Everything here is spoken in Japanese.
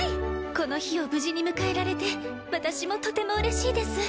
この日を無事に迎えられて私もとてもうれしいです。